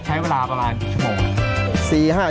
ใช้เวลาประมาณกี่ชั่วโมงครับ